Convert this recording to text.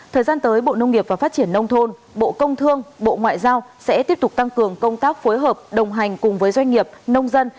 thời gian tới bộ nông nghiệp và phát triển nông thôn bộ công thương bộ ngoại giao sẽ tiếp tục tăng cường công tác phối hợp đồng hành cùng với doanh nghiệp nông dân